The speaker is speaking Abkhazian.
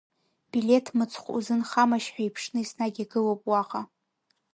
Билеҭ мыцхә узынхамашь ҳәа иԥшны еснагь игылоуп уаҟа.